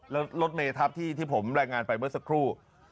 แล้วรถเมทับที่ผมรายงานไปเมื่อสักครู่